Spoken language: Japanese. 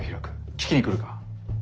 聴きに来るか？